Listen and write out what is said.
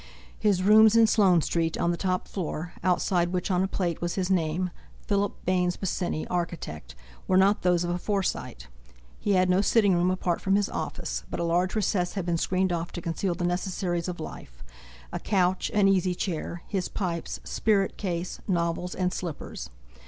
His rooms in Sloane Street, on the top floor, outside which, on a plate, was his name, "Philip Baynes Bosinney, Architect," were not those of a Forsyte. He had no sitting room apart from his office, but a large recess had been screened off to conceal the necessaries of life—a couch, an easy chair, his pipes, spirit case, novels and slippers.